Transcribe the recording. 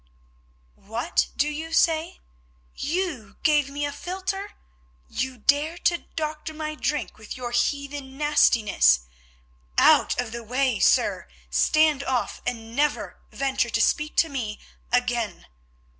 "What do you say? You gave me a philtre? You dare to doctor my drink with your heathen nastiness? Out of the way, sir! Stand off, and never venture to speak to me again.